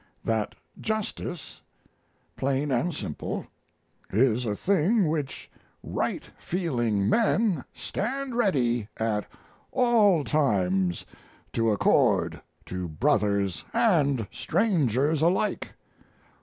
That justice, plain and simple, is a thing which right feeling men stand ready at all times to accord to brothers and strangers alike.